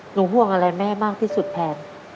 ห่วงอะไรแม่มากที่สุดแทน